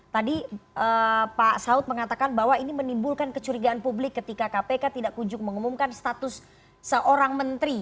tadi pak saud mengatakan bahwa ini menimbulkan kecurigaan publik ketika kpk tidak kunjung mengumumkan status seorang menteri